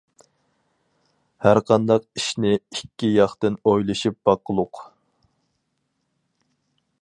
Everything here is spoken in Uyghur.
ھەر قانداق ئىشنى ئىككى ياقتىن ئويلىشىپ باققۇلۇق.